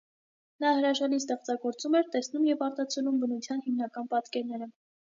Նա հրաշալի ստեղծագործում էր, տեսնում և արտացոլում բնության հիմնական պատկերները։